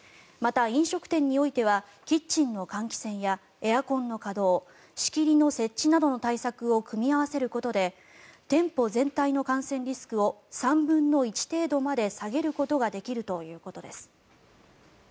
また、飲食店においてはキッチンの換気扇やエアコンの稼働仕切りの設置などの対策を組み合わせることで店舗全体の感染リスクを３分の１程度まで下げることができるということです。